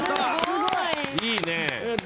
いいね。